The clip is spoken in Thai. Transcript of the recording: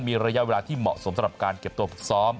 มีระยะเวลาที่เหมาะสมสำหรับการเก็บตัวฝึกซ้อม